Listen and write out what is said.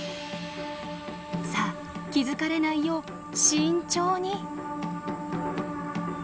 さあ気付かれないよう慎重に。